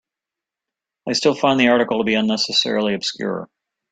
I still find the article to be unnecessarily obscure.